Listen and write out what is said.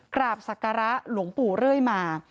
กราบศักระหลวงปู่เรื่อยมา